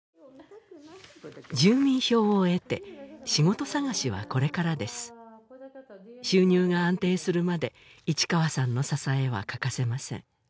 住民票を得て仕事探しはこれからです収入が安定するまで市川さんの支えは欠かせません